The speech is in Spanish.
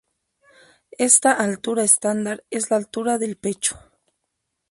Esta altura estándar es la altura del pecho.